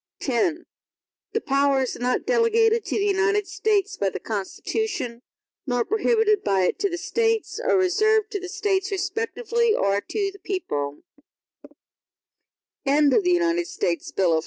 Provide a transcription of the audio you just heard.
X The powers not delegated to the United States by the Constitution, nor prohibited by it to the States, are reserved to the States respectively, or to the people.